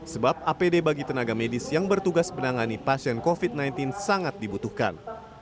sebab apd bagi tenaga medis yang bertugas menangani pasien covid sembilan belas sangat dibutuhkan